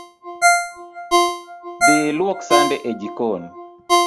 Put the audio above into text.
Dhi luok sande e jikon